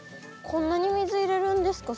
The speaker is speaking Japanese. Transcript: こんなに水入れるんですか？